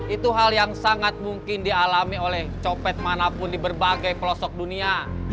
itu hal yang sangat mungkin dialami oleh copet manapun di berbagai pelosok dunia